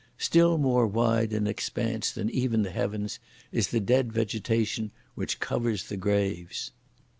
Still more wide in expanse than even the heavens is the dead vegetation which covers the graves!